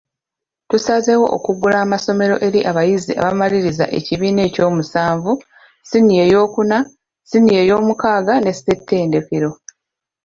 Tusazeewo okuggula amasomero eri abayizi abamalirizza ekibiina ekyomusanvu, siniya eyookuna, siniya eyoomukaaga ne ssettendekero.